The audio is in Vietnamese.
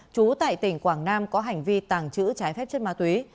chú tại tỉnh quảng nam có hành vi tàng trữ trái phép chất ma túy